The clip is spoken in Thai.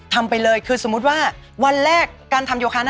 ทำไปเลยคือสมมติว่าวันแรกการทำโยคะหน้านะคะ